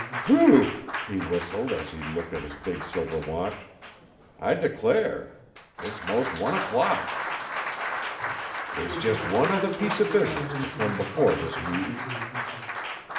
'Whew!' he whistled as he looked at his big silver watch. 'I declare it's mos' one o'clock They's jes' one other piece o' business to come before this meetin'.